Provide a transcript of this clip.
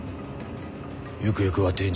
ゆくゆくは天竺。